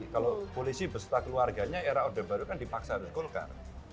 kalau polisi beserta keluarganya era order baru kan dipaksa harus golkar